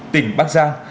tỉnh bắc giang